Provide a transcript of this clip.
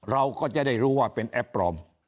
เราก็จะได้รู้ว่าเป็นแอปปลอม